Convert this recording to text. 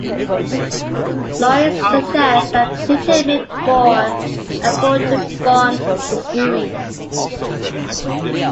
Lois suggests that Peter make more effort to bond with Stewie.